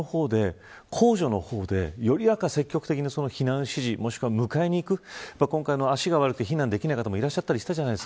自治体の方で、公助の方でより積極的に避難指示もしくは迎えに行く足が悪くて避難できなかった方もいらっしゃいましたよね。